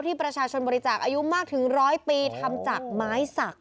ที่ประชาชนบริจาคอายุมากถึงร้อยปีทำจากไม้สัก